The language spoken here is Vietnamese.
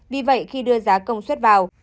vì vậy khi đưa giá công suất vào